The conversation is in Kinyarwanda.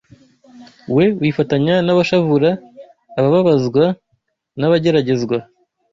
we wifatanya n’abashavura, abababazwa n’abageragezwa